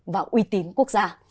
và uy tín quốc gia